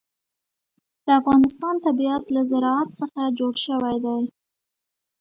د افغانستان طبیعت له زراعت څخه جوړ شوی دی.